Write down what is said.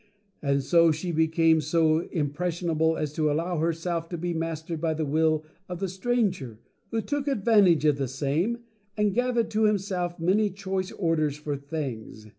And so she became so impressionable as to allow herself to be mastered by the Will of the Stranger, who took advantage of the same and gath ered to himself many Choice Orders for Things.